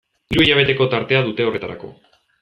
Hiru hilabeteko tartea dute horretarako.